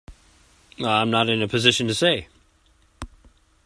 I'm not in a position to say.